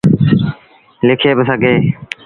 لکي با سگھيٚن۔